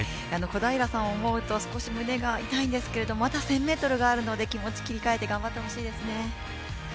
小平さんを思うと少し胸が痛いんですけどまだ１０００ｍがあるので気持ちを切り替えて頑張ってほしいですね。